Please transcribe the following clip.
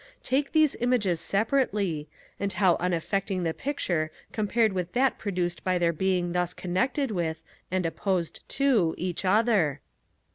Take these images separately, and how unaffecting the picture compared with that produced by their being thus connected with, and opposed to, each other!